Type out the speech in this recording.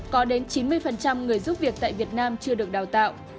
có đến chín mươi người giúp việc tại việt nam chưa được đào tạo